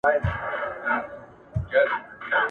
چي وهل یې د سیند غاړي ته زورونه !.